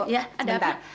ya ada apa